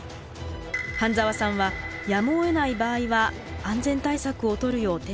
榛沢さんはやむをえない場合は安全対策をとるよう提案しています。